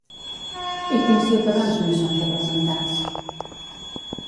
I quins ciutadans no hi són representats?